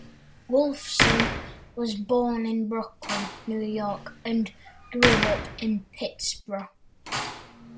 Wolfson was born in Brooklyn, New York and grew up in Pittsburgh.